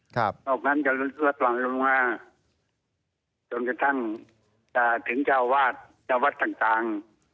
ตอนนั้นจะรวบความฝังลงมาจนจะตั้งถึงเจ้าวาทจะวัดต่าง